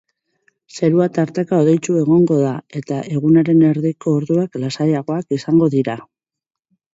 Zerua tarteka hodeitsu egongo da, eta egunaren erdiko orduak lasaiagoak izango dira.